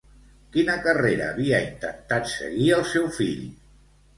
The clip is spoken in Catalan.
Quina carrera havia intentat seguir el seu fill?